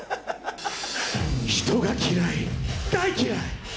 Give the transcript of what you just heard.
人が嫌い、大嫌い！